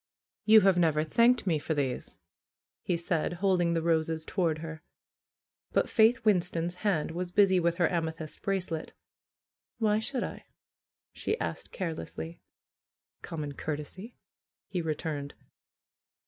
"You have never thanked me for these," he said, holding the roses toward her. But Faith Winston's hand was busy with her ame thyst bracelet. "Why should I ?" she asked carelessly. "Common courtesy," he returned.